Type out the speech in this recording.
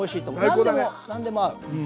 何でも何でも合う。